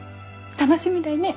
楽しみだいねぇ。